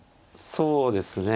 そうですね。